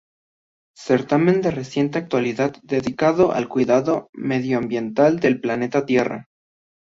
Certamen de reciente actualidad dedicado al cuidado medioambiental del planeta Tierra.